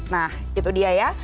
nah itu dia ya